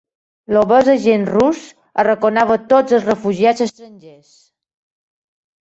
L'obès agent rus arraconava tots els refugiats estrangers